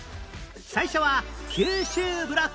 最初は九州ブロック